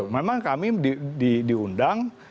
memang kami diundang